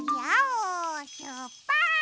しゅっぱつ！